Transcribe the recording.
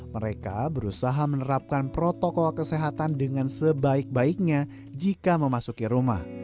mereka berusaha menerapkan protokol kesehatan dengan sebaik baiknya jika memasuki rumah